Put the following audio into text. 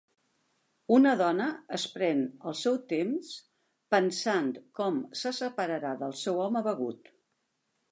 Una dona es pren el seu temps pensant com se separarà del seu home begut.